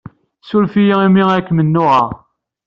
Ssuref-iyi imi ay kem-nnuɣeɣ.